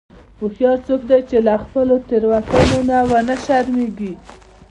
هوښیار څوک دی چې له خپلو تېروتنو نه و نه شرمیږي.